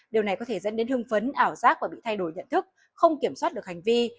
điều này có thể dẫn đến hưng phấn ảo giác và bị thay đổi nhận thức không kiểm soát được hành vi